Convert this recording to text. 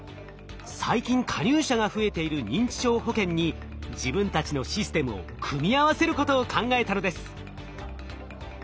最近加入者が増えている認知症保険に自分たちのシステムを組み合わせることを考えたのです。